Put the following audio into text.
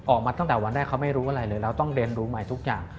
ออกมาตั้งแต่วันแรกเขาไม่รู้อะไรเลยเราต้องเรียนรู้ใหม่ทุกอย่าง